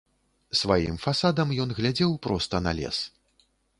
Сваім фасадам ён глядзеў проста на лес.